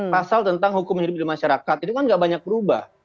pasal tentang hukum hidup di masyarakat itu kan gak banyak berubah